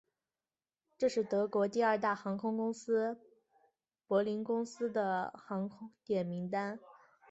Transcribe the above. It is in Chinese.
这是德国第二大航空公司柏林航空的航点名单。